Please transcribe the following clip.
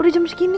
udah jam segini